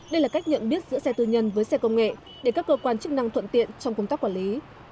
đây là cách nhận biết giữa xe tư nhân với xe công nghệ để các cơ quan chức năng thuận tiện trong công tác quản lý